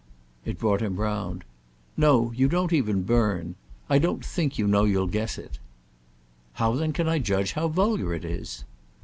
It brought him round. "No—you don't even 'burn.' I don't think, you know, you'll guess it." "How then can I judge how vulgar it is?"